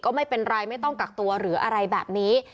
ก็ไม่เป็นไรไม่ต้องกักตัวหรืออะไรแบบนี้